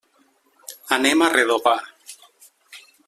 Anem a Redovà.